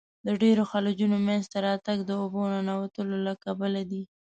د ډیرو خلیجونو منځته راتګ د اوبو ننوتلو له کبله دی.